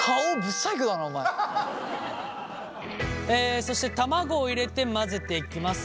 そして卵を入れて混ぜていきます。